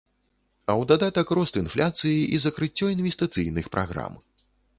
А ў дадатак рост інфляцыі і закрыццё інвестыцыйных праграм.